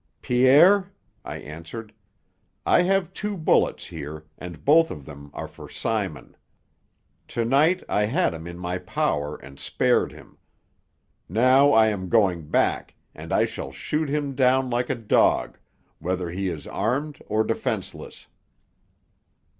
"Pierre," I answered, "I have two bullets here, and both of them are for Simon. To night I had him in my power and spared him. Now I am going back, and I shall shoot him down like a dog, whether he is armed or defenceless."